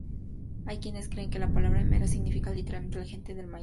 Hay quienes creen que la palabra "Emberá" significa literalmente: "La gente del maíz".